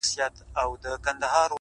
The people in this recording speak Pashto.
لکه چي مخکي وې هغسي خو جانانه نه يې؛